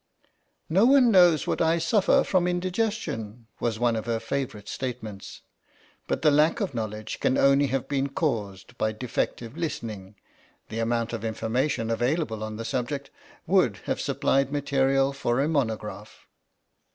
" No one knows what I suffer from indigestion " was one of her favourite statements ; but the lack of knowledge can only have been caused by defective listening ; the amount of information available on the subject would have supplied material for a monograph.